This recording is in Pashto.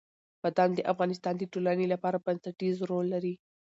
بادام د افغانستان د ټولنې لپاره بنسټيز رول لري.